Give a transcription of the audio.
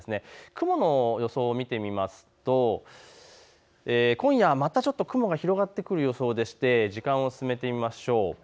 雲の予想を見てみますと、今夜はまた雲が広がってくる予想でして時間を進めてみましょう。